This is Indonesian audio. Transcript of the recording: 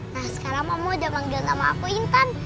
nah sekarang mama udah manggil sama aku intan